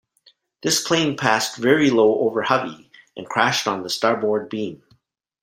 This plane passed very low over "Hovey" and crashed on the starboard beam.